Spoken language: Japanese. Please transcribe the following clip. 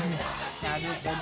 なるほど。